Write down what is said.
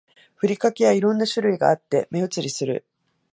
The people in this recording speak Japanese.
ふりかけは色んな種類があって目移りする